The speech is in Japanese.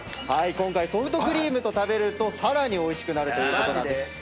今回ソフトクリームと食べるとさらにおいしくなるということなんです。